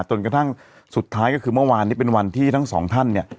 จนกระทั่งสุดท้ายก็คือเมื่อวานนี้เป็นวันที่ทั้งสองท่านเนี่ย